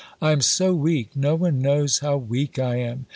I am so weak, no one knows how weak I am.